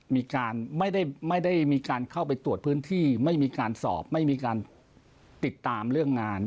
มีการไม่ได้มีการเข้าไปตรวจพื้นที่ไม่มีการสอบไม่มีการติดตามเรื่องงาน